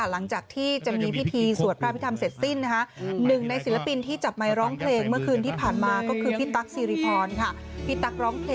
ผ่านไปแล้วไม่ห้วนคืนมาก็ไม่เสียดาย